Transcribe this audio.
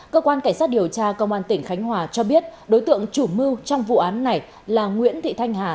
cơ quan cảnh sát điều tra công an tỉnh khánh hòa cho biết đối tượng chủ mưu trong vụ án này là nguyễn thị thanh hà